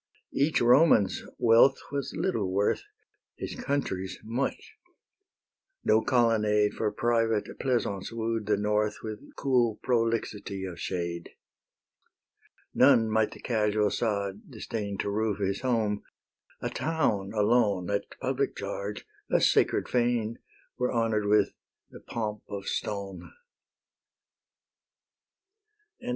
Each Roman's wealth was little worth, His country's much; no colonnade For private pleasance wooed the North With cool "prolixity of shade." None might the casual sod disdain To roof his home; a town alone, At public charge, a sacred fane Were honour'd with the pomp of stone. XVI.